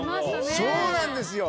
そうなんですよ。